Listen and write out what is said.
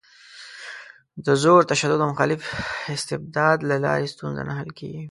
د زور، تشدد او مخالف استبداد له لارې ستونزه نه حل کېږي.